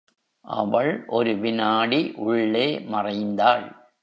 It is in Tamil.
அவள் ஒரு விநாடி உள்ளே மறைந்தாள்.